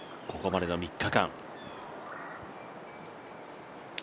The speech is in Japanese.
ここまでの３日間。